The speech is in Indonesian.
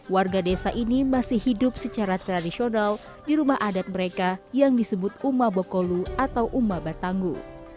warga desa ini masih hidup secara tradisional di rumah adat mereka yang disebut uma bokolu atau uma batanggu